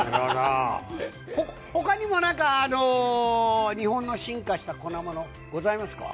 ほかにもなんか、日本の進化した粉もの、ございますか？